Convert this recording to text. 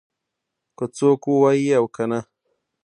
که څوک ووایي او کنه